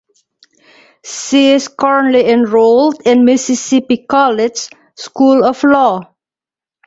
She is currently enrolled in Mississippi College School of Law.